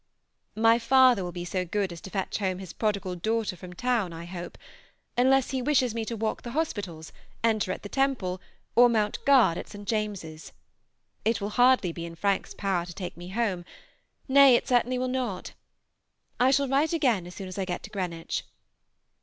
My father will be so good as to fetch home his prodigal daughter from town, I hope, unless he wishes me to walk the hospitals, enter at the Temple, or mount guard at St. James'. It will hardly be in Frank's power to take me home, nay, it certainly will not. I shall write again as soon as I get to Greenwich.